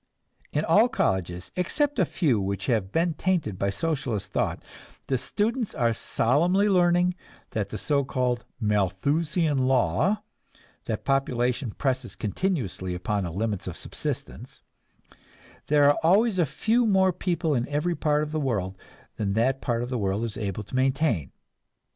In all colleges, except a few which have been tainted by Socialist thought, the students are solemnly learning the so called "Malthusian law," that population presses continually upon the limits of subsistence, there are always a few more people in every part of the world than that part of the world is able to maintain.